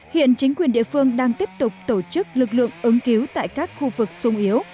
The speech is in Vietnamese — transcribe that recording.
hiện chính quyền địa phương đang tiếp tục tổ chức lực lượng ứng cứu tại các khu vực sung yếu